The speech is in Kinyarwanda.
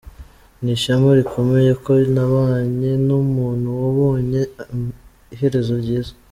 Ni ishema rikomeye ko nabanye n’umuntu wabonye iherezo ryiza.